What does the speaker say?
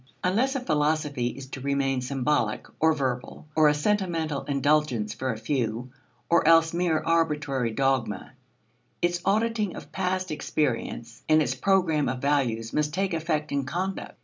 Unless a philosophy is to remain symbolic or verbal or a sentimental indulgence for a few, or else mere arbitrary dogma, its auditing of past experience and its program of values must take effect in conduct.